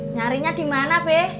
nyarinya dimana be